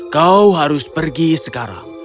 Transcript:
kau harus pergi sekarang